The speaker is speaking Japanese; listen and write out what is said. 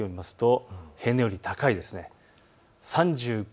最高気温を見ますと平年より高いです。